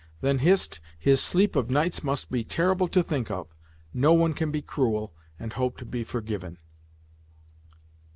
"Then, Hist, his sleep of nights must be terrible to think of. No one can be cruel, and hope to be forgiven."